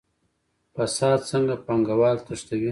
فساد څنګه پانګوال تښتوي؟